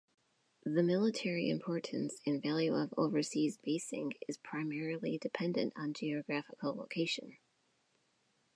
The military importance and value of overseas basing is primarily dependent on geographical location.